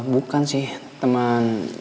bukan sih temen